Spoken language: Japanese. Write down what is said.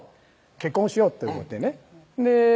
結婚しようって思ってね